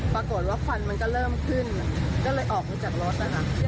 ปรากฏว่าฟันก็เริ่มขึ้นก็เลยออกลงจากรถนะคะ